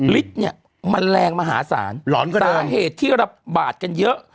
ฤทธิ์เนี่ยมันแรงมหาศาลสาเหตุที่ระบาดกันเยอะ